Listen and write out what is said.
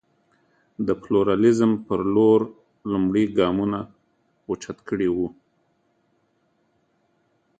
د پلورالېزم په لور لومړ ګامونه اوچت کړي وو.